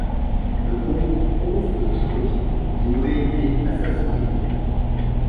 Le comte Pons de Tripoli y aurait été assassiné.